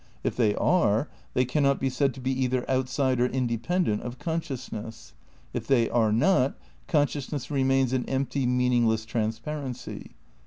If they are they cannot be said to be either outside or in dependent of consciousness. If they are not, conscious ness remains an empty, meaningless transparency.